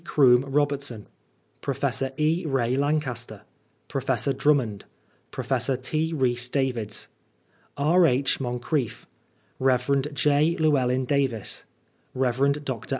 Croom Bobertson Professor £. Bay Lancaster Professor Drummond Professor T. Rhys Davids R. H. Moncrieff Rev. J. Llewellyn Davies Rev. Dr.